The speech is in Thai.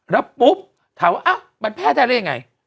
แล้วปุ๊บถามว่ามันแพร่ได้ได้ยังไง